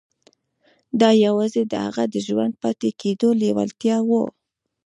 دا یوازې د هغه د ژوندي پاتې کېدو لېوالتیا وه